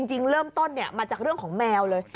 จริงเริ่มต้นมาจากเรื่องของแมวเลย